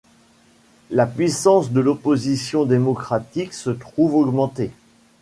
La puissance de l’opposition démocratique se trouve augmentée.